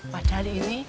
pada hari ini